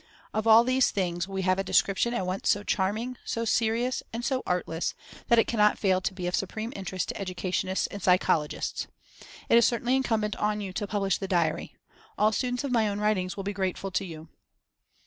Of all these things we have a description at once so charming, so serious, and so artless, that it cannot fail to be of supreme interest to educationists and psychologists. "It is certainly incumbent on you to publish the diary. All students of my own writings will be grateful to you."